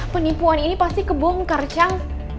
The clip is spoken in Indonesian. penipuan ini pasti kebongkar cang